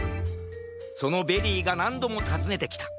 そのベリーがなんどもたずねてきた。